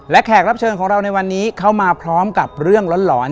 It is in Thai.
และแขกรับเชิญของเราในวันนี้เข้ามาพร้อมกับเรื่องหลอน